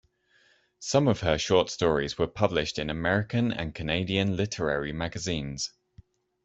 Some of her short stories were published in American and Canadian literary magazines.